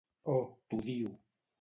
Oh, t'odio!